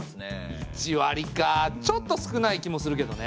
１割かちょっと少ない気もするけどね。